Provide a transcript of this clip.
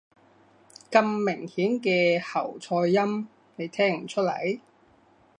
咁明顯嘅喉塞音，你聽唔出來？